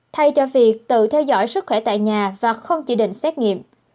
thay cho việc tự theo dõi sức khỏe tại nhà và không chỉ định xét nghiệm